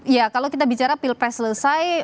ya kalau kita bicara pilpres selesai